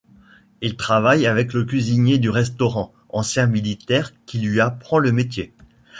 Il travaille avec le cuisinier du restaurant, ancien militaire, qui lui apprend le métier.